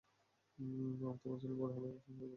তোমার ছেলে বড়ো হলে তোমার সন্দেহ দূর করবে!